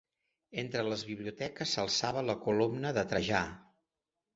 Entre les biblioteques s'alçava la Columna de Trajà.